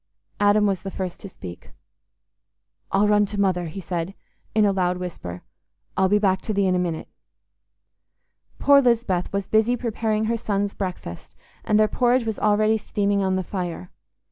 Adam was the first to speak. "I'll run to Mother," he said, in a loud whisper. "I'll be back to thee in a minute." Poor Lisbeth was busy preparing her sons' breakfast, and their porridge was already steaming on the fire.